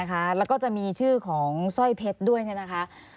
ก็คิดว่าไม่สนิทหรอก